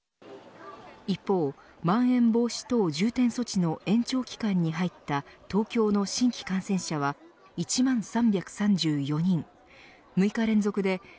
一方、まん延防止等重点措置の延長期間に入った東京の新規感染者は１万３３４人。